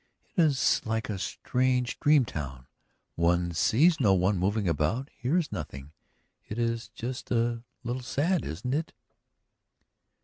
"It is like a strange dream town, one sees no one moving about, hears nothing. It is just a little sad, isn't it?"